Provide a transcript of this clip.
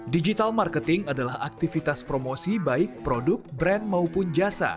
digital marketing adalah aktivitas promosi baik produk brand maupun jasa